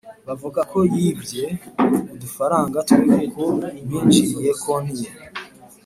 Bavuga ko yibwe udufaranga twe kuko binjiriye konti ye